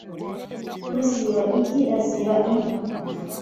Uziba igi aziba inka